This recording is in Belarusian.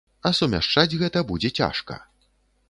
А сумяшчаць гэта будзе цяжка.